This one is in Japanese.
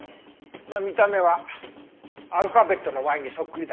まあ見た目はアルファベットのＹにそっくりだけどね。